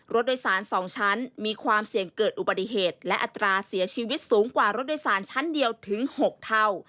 รถโดยสาร๒ชั้นมีความเสี่ยงเกิดอุบัติเหตุและอัตราเสียชีวิตสูงกว่ารถโดยสารชั้นเดียวถึง๖เท่า